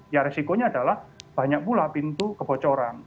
ya resikonya adalah banyak pula pintu kebocoran